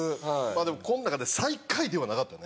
でもこの中で最下位ではなかったね。